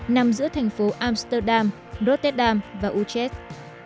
nằm giữa thành phố amsterdam rotterdam và utrecht